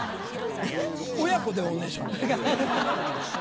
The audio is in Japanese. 親子でおねしょ。